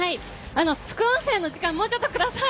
副音声の時間をもうちょっとください。